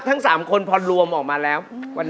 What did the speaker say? ทั้ง๓คนพอรวมออกมาแล้ว